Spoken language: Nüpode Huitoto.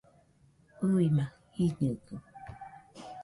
ɨima jiñɨgɨ